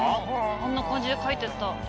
あんな感じで描いてった。